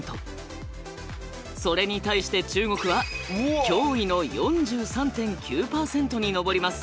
それに対して中国は驚異の４３．９％に上ります。